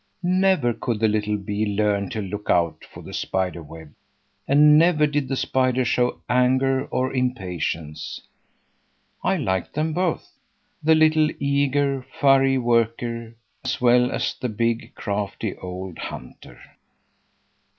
Never could the little bee learn to look out for the spider web, and never did the spider show anger or impatience. I liked them both; the little, eager, furry worker, as well as the big, crafty, old hunter.